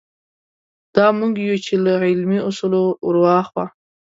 دا موږ یو چې له علمي اصولو وراخوا.